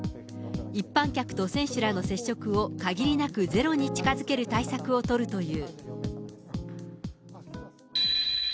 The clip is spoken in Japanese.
一般客と選手らの接触を限りなくゼロに近づける対策を取るという。